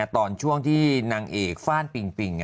ตอนช่วงที่นางเอกฟ่านปิงปิง